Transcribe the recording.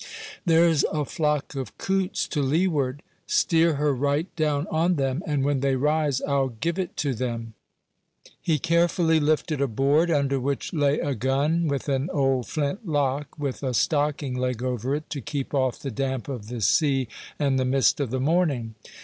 "There's a flock of coots to leeward; steer her right down on them, and when they rise I'll give it to them." He carefully lifted a board, under which lay a gun, with an old flint lock, with a stocking leg over it to keep off the damp of the sea and the mist of the morning.